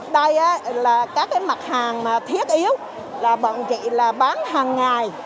đây là các mặt hàng thiết yếu bọn chị bán hàng ngày